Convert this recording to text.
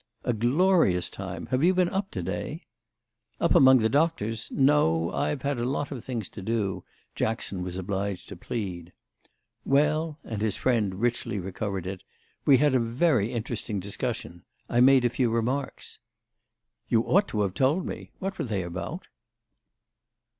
"A glorious time. Have you been up to day?" "Up among the doctors? No—I've had a lot of things to do," Jackson was obliged to plead. "Well"—and his friend richly recovered it—"we had a very interesting discussion. I made a few remarks." "You ought to have told me. What were they about?"